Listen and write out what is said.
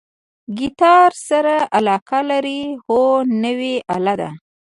ګیتار سره علاقه لرئ؟ هو، نوی آله ده